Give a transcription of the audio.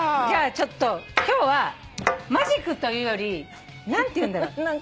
じゃあちょっと今日はマジックというより何ていうんだろう。